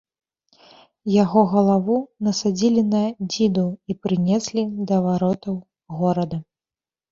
Яго галаву насадзілі на дзіду і прынеслі да варотаў горада.